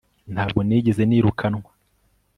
ntabwo nigeze nirukanwa